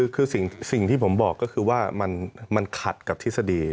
คือสิ่งที่ผมบอกก็คือว่ามันขัดกับทฤษฎี